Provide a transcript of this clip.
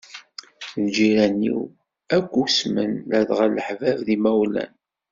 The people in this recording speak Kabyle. Lǧiran-iw akk usmen, ladɣa leḥbab d yimawlan.